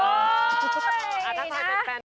ถ้าใครเป็นแฟนของพี่แจ๊ค